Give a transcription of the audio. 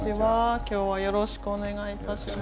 今日はよろしくお願いいたします。